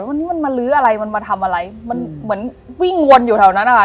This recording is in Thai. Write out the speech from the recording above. วันนี้มันมาลื้ออะไรมันมาทำอะไรมันเหมือนวิ่งวนอยู่แถวนั้นนะคะ